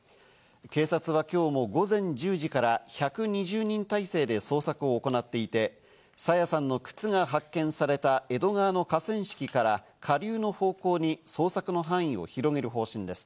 警察は今日も午前１０時から１２０人体制で捜索を行っていて、朝芽さんの靴が発見された江戸川の河川敷から下流の方向に捜索の範囲を広げる方針です。